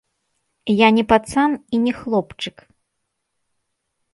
Я не пацан і не хлопчык.